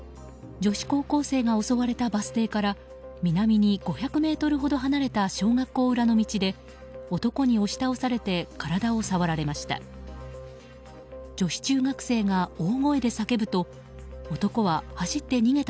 女子高校生が襲われたバス停から南に５００ｍほど離れた小学校裏の道で男に押し倒されて体を触られました。